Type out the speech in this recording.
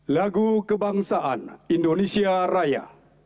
lagu kebangsaan indonesia raya